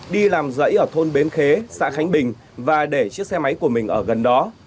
đi làm dãy ở thôn bến khế xã khánh bình và để chiếc xe máy của mình ở gần đó